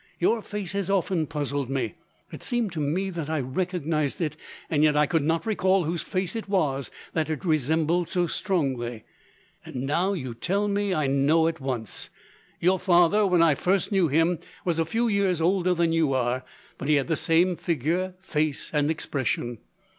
Your face has often puzzled me. It seemed to me that I recognized it, and yet I could not recall whose face it was that it resembled so strongly. Now you tell me, I know at once. Your father, when I first knew him, was a few years older than you are; but he had the same figure, face, and expression.